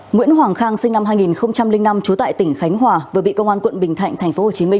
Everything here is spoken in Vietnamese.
nguyễn hoàng khang sinh năm hai nghìn năm trú tại tỉnh khánh hòa vừa bị công an quận bình thạnh tp hcm